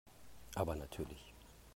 Aber natürlich.